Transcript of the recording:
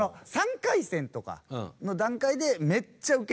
３回戦とかの段階でめっちゃウケた。